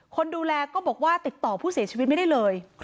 คนดูแลก็บอกว่าติดต่อผู้เสียชีวิตไม่ได้เลย